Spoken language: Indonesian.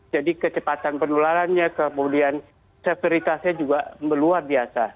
jadi kecepatan penularannya kemudian seksualitasnya juga luar biasa